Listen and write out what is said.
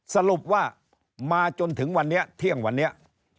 สรุปว่ามาจนถึงวันนี้เที่ยงวันนี้